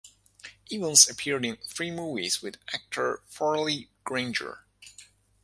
Evans appeared in three movies with actor Farley Granger.